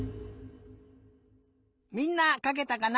みんなかけたかな？